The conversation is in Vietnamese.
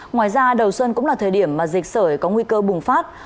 ngoài ra đầu xuân cũng là thời điểm mà dịch sởi có nguy cơ bùng phát